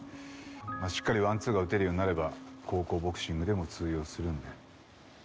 まあしっかりワンツーが打てるようになれば高校ボクシングでも通用するんで。